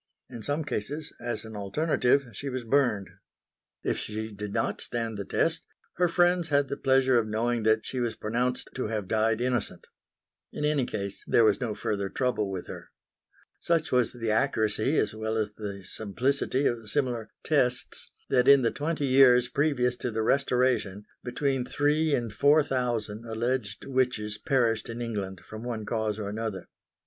In some cases, as an alternative, she was burned. If she did not stand the test her friends had the pleasure of knowing that she was pronounced to have died innocent. In any case there was no further trouble with her. Such was the accuracy as well as the simplicity of similar "tests" that, in the twenty years previous to the Restoration, between three and four thousand alleged witches perished in England from one cause or another.